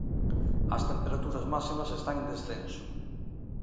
As temperaturas máximas están en descenso.